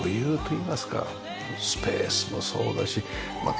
スペースもそうだしまた。